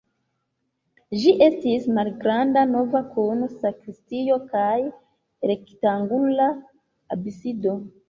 Ĝi estis malgranda navo kun sakristio kaj rektangula absido.